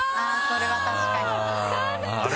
それは確かに。